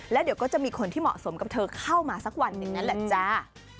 แล้วเดี๋ยวก็จะมีคนที่เหมาะสมกับเธอเข้ามาสักวันหนึ่งนั่นแหละจ้า